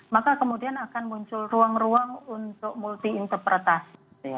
maka kemudian akan muncul ruang ruang untuk multi interpretasi